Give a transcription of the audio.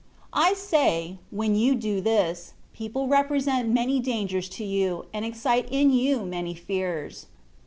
I say, when you do this, people represent many dangers to you, and excite in you many fears.